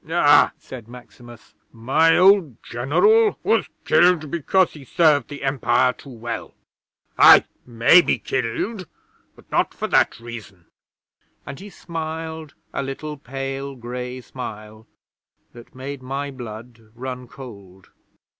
'"Ah!" said Maximus. "My old General was killed because he served the Empire too well. I may be killed, but not for that reason," and he smiled a little pale grey smile that made my blood run cold.